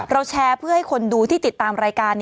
แชร์เพื่อให้คนดูที่ติดตามรายการ